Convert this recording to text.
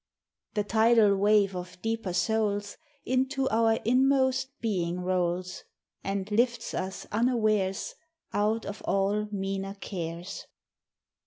The tidal wave of deeper souls Into our inmost being rolls, And lifts us unawares Out of all meaner cares.